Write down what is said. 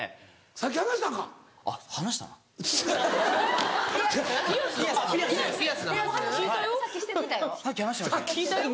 さっき話してましたっけ